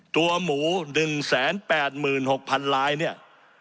ตัวหมู๑แสน๘หมื่น๖พันลายเนี่ย